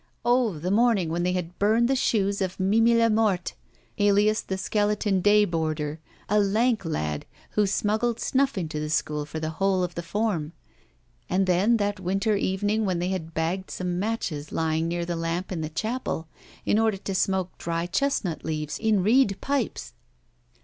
Oh! the morning when they had burned the shoes of Mimi la Mort, alias the Skeleton Day Boarder, a lank lad, who smuggled snuff into the school for the whole of the form. And then that winter evening when they had bagged some matches lying near the lamp in the chapel, in order to smoke dry chestnut leaves in reed pipes.